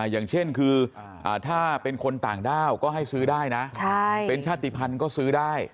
อย่างเช่นคือถ้าเป็นคนต่างด้าวก็ให้ซื้อได้นะเป็นชาติภัณฑ์ก็ซื้อได้